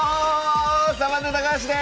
サバンナ高橋です！